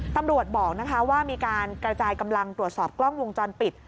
ตำรวจบอกว่ามีการกระจายกำลังตรวจสอบกล้องวงจรปิด